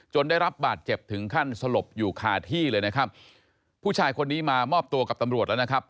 ได้รับบาดเจ็บถึงขั้นสลบอยู่คาที่เลยนะครับผู้ชายคนนี้มามอบตัวกับตำรวจแล้วนะครับ